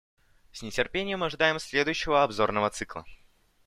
С нетерпением ожидаем следующего обзорного цикла.